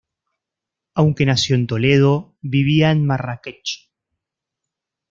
Aunque nació en Toledo vivía en Marrakech.